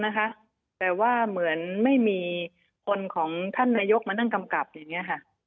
นะคะแต่ว่าเหมือนไม่มีคนของท่านนายกมานั่งกำกับอย่างนี้ค่ะ